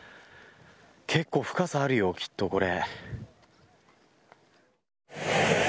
結構深さあるよきっと、これ。